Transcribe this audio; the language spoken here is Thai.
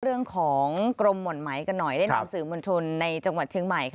เรื่องของกรมหม่อนไหมกันหน่อยได้นำสื่อมวลชนในจังหวัดเชียงใหม่